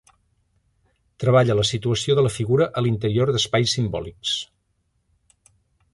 Treballa la situació de la figura a l'interior d'espais simbòlics.